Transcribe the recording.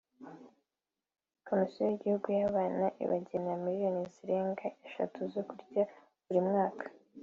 Komisiyo y’igihugu y’abana ibagenera miliyoni zirenga eshatu zo kurya buri mwaka